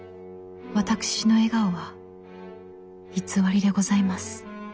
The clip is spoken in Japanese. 私の笑顔は偽りでございます。